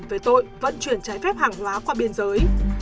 về tội vận chuyển trái phép hàng hóa qua biên giới